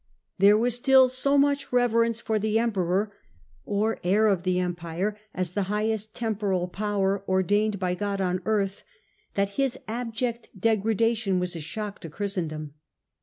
There was still so much reverence for the emperor, or heir of the empire, as the highest temporal power ordained by God on earth, that his abject degradation was a shock to Christendom.